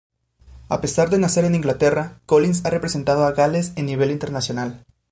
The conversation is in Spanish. A pesar de nacer en Inglaterra, Collins ha representado a Gales en nivel internacional.